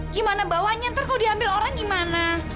gimana bawahnya ntar kalau diambil orang gimana